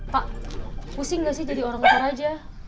pak pusing nggak sih jadi orang utara aja